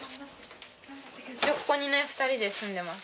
一応ここに２人で住んでます。